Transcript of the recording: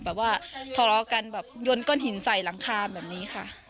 แบบว่าทะเลาะกันแบบยนก้อนหินใส่หลังคาแบบนี้ค่ะ